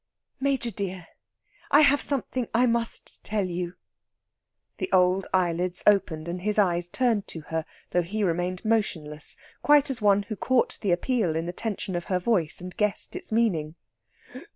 "Major dear, I have something I must tell you." The old eyelids opened, and his eyes turned to her, though he remained motionless quite as one who caught the appeal in the tension of her voice and guessed its meaning.